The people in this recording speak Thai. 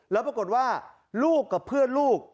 แล้วปรากฏว่าลูกกับเพื่อนลูก